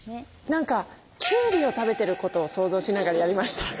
何かきゅうりを食べてることを想像しながらやりました。